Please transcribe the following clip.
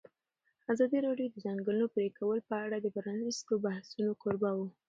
ازادي راډیو د د ځنګلونو پرېکول په اړه د پرانیستو بحثونو کوربه وه.